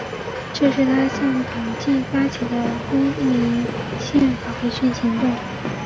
这是他向党禁发起的公民宪法维权行动。